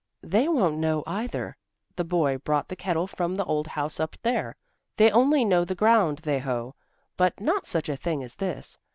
"They won't know either. The boy brought the kettle from the old house up there. They only know the ground they hoe, but not such a thing as this.